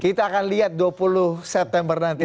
kita akan lihat dua puluh september nanti